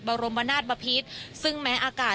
บรมนาศบพิษซึ่งแม้อากาศ